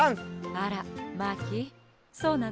あらマーキーそうなの？